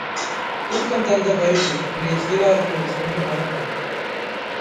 தூக்கம் தந்த பரிசு இன்றைய சிறார்க்கு ஒரு சிறந்த பாடமாகும்.